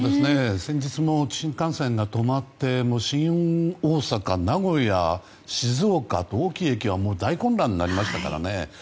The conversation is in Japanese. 先日も新幹線が止まって新大阪、名古屋、静岡と大きい駅は大混乱になりましたからね。